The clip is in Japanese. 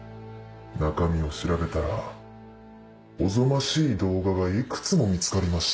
中身を調べたらおぞましい動画がいくつも見つかりました。